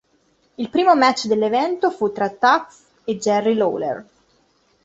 Il primo match dell'evento fu tra Tazz e Jerry Lawler.